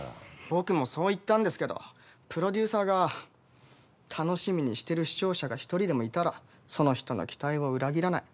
僕もそう言ったんですけどプロデューサーが楽しみにしてる視聴者が一人でもいたらその人の期待を裏切らない。